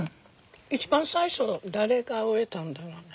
一番最初誰が植えたんだろうね？